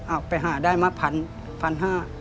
อ้าวไปหาได้มาพันพันห้า